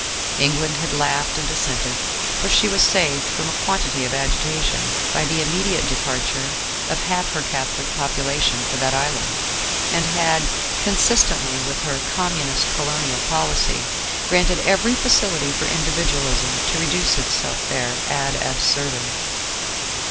England had laughed and assented, for she was saved from a quantity of agitation by the immediate departure of half her Catholic population for that island, and had, consistently with her Communist colonial policy, granted every facility for Individualism to reduce itself there ad absurdum.